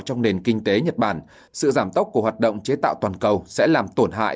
trong nền kinh tế nhật bản sự giảm tốc của hoạt động chế tạo toàn cầu sẽ làm tổn hại